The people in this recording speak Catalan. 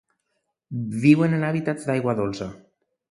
Viuen en hàbitats d'aigua dolça.